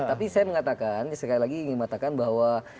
tapi saya mengatakan sekali lagi ingin mengatakan bahwa